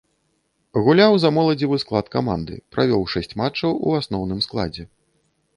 Гуляў за моладзевы склад каманды, правёў шэсць матчаў у асноўным складзе.